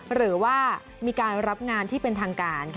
หรือว่ามีการรับงานที่เป็นทางการ